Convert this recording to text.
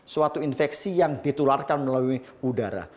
suatu infeksi yang ditularkan melalui udara